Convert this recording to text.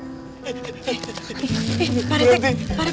eh eh eh eh pak rt